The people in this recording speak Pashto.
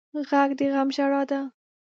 غږ د غم ژړا ده